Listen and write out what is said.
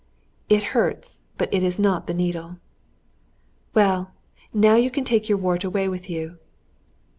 "It hurts, but it is not the needle." "Well, now you can take your wart away with you."